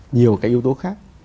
nhiều cái yếu tố khác